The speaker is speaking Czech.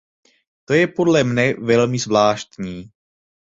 To je podle mne velmi zvláštní.